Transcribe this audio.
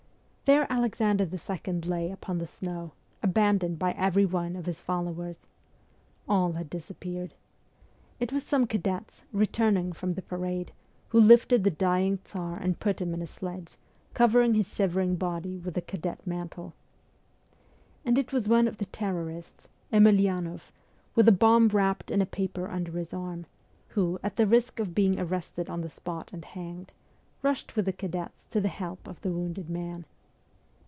There Alexander II. lay upon the snow, abandoned by every one of his followers ! All had disappeared. It was some cadets, returning from the parade, who lifted the dying Tsar and put him in a sledge, covering his shivering body with a cadet mantle. And it was one of the terrorists, Emelianoff, with a bomb wrapped in a paper under his arm, who, N at the risk of being arrested on the spot and hanged, rushed with the cadets to the help of the wounded man.